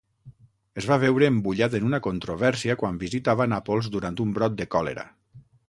Es va veure embullat en una controvèrsia quan visitava Nàpols durant un brot de còlera.